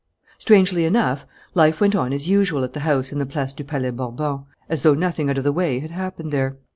Strangely enough, life went on as usual at the house in the Place du Palais Bourbon, as though nothing out of the way had happened there.